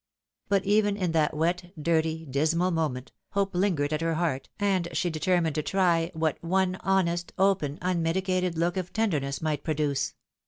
But even, in that wet, dirty, dismal moment, hope 202 THE WIDOW MARRIED. lingered at her heart, and she determined to try what one honest, open, unmitigated look of tenderness might produce.